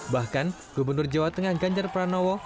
bahkan gubernur jawa tengah ganjar pranowo